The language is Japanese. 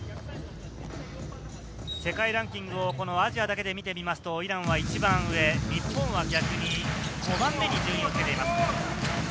世界ランキングをアジアだけで見てみると、イランは一番上、日本は逆に５番目に順位をつけています。